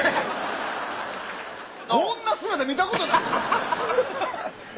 こんな姿見たことないでしょ。